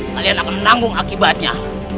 kalian akan menanggung akibatnya